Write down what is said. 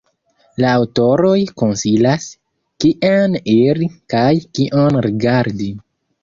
La aŭtoroj konsilas, kien iri kaj kion rigardi.